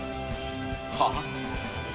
はあ！？